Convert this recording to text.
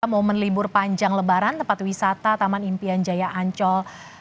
momen libur panjang lebaran tempat wisata taman impian jaya ancol